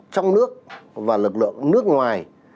trong nước và lực lượng nước ngoài